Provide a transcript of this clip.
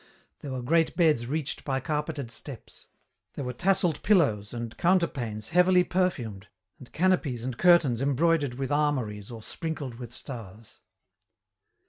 There were great beds reached by carpeted steps. There were tasselled pillows and counterpanes heavily perfumed, and canopies and curtains embroidered with armories or sprinkled with stars.